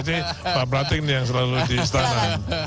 jadi pak pratik nih yang selalu di istana